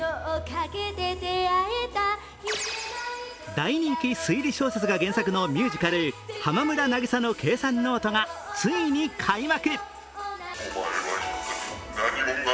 大人気推理小説が原作のミュージカル「浜村渚の計算ノート」がついに開幕。